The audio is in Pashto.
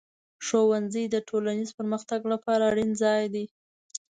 ښوونځی د ټولنیز پرمختګ لپاره اړین ځای دی.